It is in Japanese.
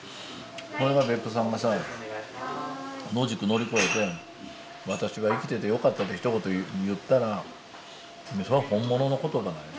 それが別府さんがさ野宿乗り越えて「私は生きててよかった」ってひと言言ったらそれは本物の言葉。